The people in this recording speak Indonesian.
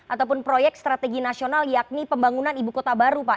ataupun proyek strategi nasional yakni pembangunan ibu kota baru pak